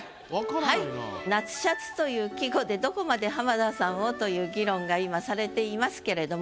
はい「夏シャツ」という季語でどこまで浜田さんをという議論が今されていますけれども。